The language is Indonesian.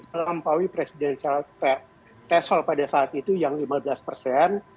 melampaui presidensial threshold pada saat itu yang lima belas persen